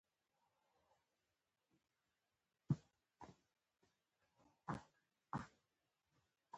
لوکس موټر ګران وي.